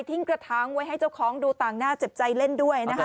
กระท้างไว้ให้เจ้าของดูต่างหน้าเจ็บใจเล่นด้วยนะคะ